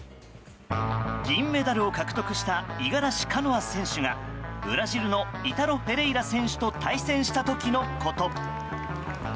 銀メダルを獲得した五十嵐カノア選手がブラジルのイタロ・フェレイラ選手と対戦した時のこと。